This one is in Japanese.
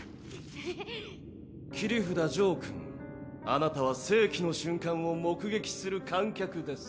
切札ジョーくんあなたは世紀の瞬間を目撃する観客です。